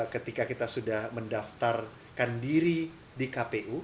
ketika kita sudah mendaftarkan diri di kpu